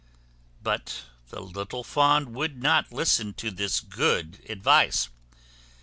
But the little Fawn would not listen to this good advice.